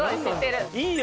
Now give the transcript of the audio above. いいよ